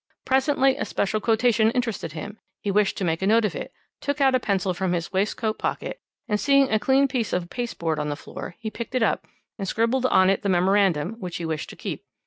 Presently a special quotation interested him; he wished to make a note of it, took out a pencil from his waistcoat pocket, and seeing a clean piece of paste board on the floor, he picked it up, and scribbled on it the memorandum, which he wished to keep.